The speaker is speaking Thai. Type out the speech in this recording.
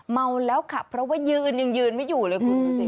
เมาแล้วขับเพราะว่ายืนยังยืนไม่อยู่เลยคุณดูสิ